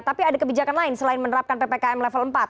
tapi ada kebijakan lain selain menerapkan ppkm level empat